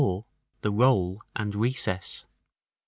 THE ROLL AND RECESS.